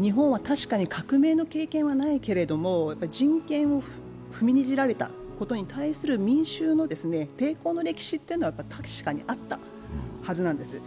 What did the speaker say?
日本は確かに革命の経験はないけれども人権を踏みにじられたことに対する民衆の抵抗の歴史というのは確かにあったはずなんです。